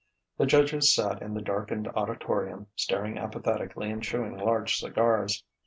The judges sat in the darkened auditorium, staring apathetically and chewing large cigars.